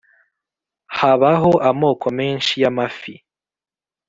habaho amoko menshi y amafi